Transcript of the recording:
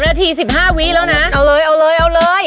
นาที๑๕วิแล้วนะเอาเลยเอาเลยเอาเลย